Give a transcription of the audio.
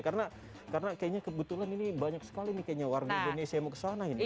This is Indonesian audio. karena kayaknya kebetulan ini banyak sekali nih kayaknya warna indonesia yang mau ke sana